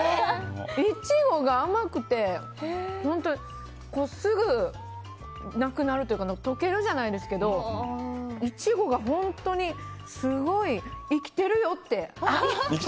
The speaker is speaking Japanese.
イチゴが甘くてすぐなくなるというか溶けるじゃないですけどイチゴが本当にすごい生きてるよって